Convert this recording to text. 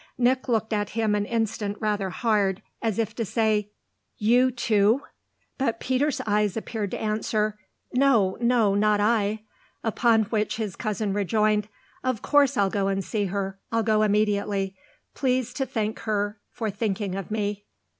Nick looked at him an instant rather hard, as if to say: "You too?" But Peter's eyes appeared to answer, "No, no, not I"; upon which his cousin rejoined: "Of course I'll go and see her. I'll go immediately. Please to thank her for thinking of me."